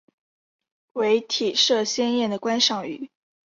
为体色鲜艳的观赏鱼。